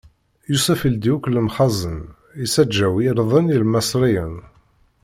Yusef ildi akk lemxazen, issaǧaw irden i Imaṣriyen.